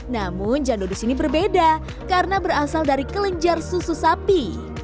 namun jando di sini berbeda karena berasal dari kelenjar susu sapi